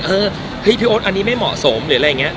เออพี่โอ๊ตอันนี้ไม่เหมาะสมหรืออะไรอย่างนี้